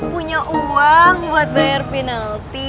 punya uang buat bayar penalti